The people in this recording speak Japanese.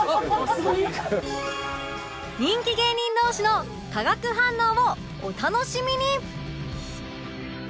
人気芸人同士の化学反応をお楽しみに！